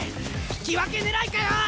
引き分け狙いかよ！